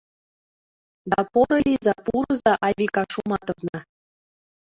— Да, порылийза, пурыза, Айвика Шуматовна!